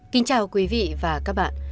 kính chào quý vị và các bạn